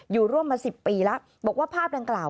อยู่ร่วมมา๑๐ปีแล้วบอกว่าภาพดังกล่าว